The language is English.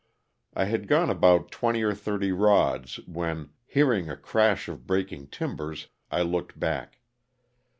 I had gone but about twenty or thirty rods when, hearing a crash of breaking timbers, I looked back.